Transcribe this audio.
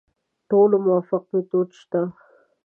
ټولو موافق میتود شته.